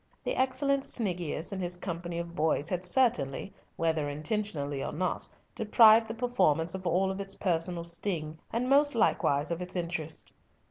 The excellent Sniggius and his company of boys had certainly, whether intentionally or not, deprived the performance of all its personal sting, and most likewise of its interest.